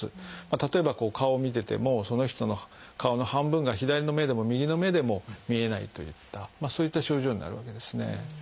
例えば顔を見ててもその人の顔の半分が左の目でも右の目でも見えないといったそういった症状になるわけですね。